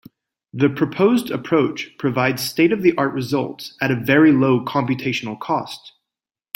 The proposed approach provides state-of-the-art results at very low computational cost.